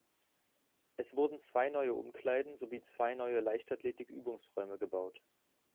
Es wurden zwei neue Umkleiden sowie zwei neue Leichtathletikübungsräume gebaut.